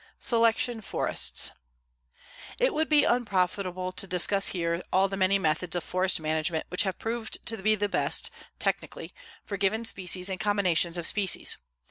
SELECTION FORESTS It would be unprofitable to discuss here all the many methods of forest management which have proved to be best, technically, for given species and combinations of species.